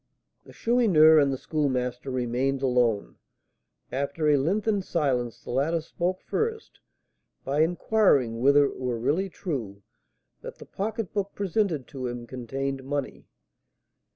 The Chourineur and the Schoolmaster remained alone. After a lengthened silence the latter spoke first, by inquiring whether it were really true that the pocketbook presented to him contained money.